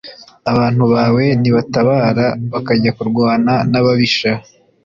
“abantu bawe nibatabara bakajya kurwana n’ababisha,